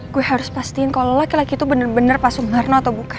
gue harus pastiin kalo laki laki itu bener bener pas sumarno atau bukan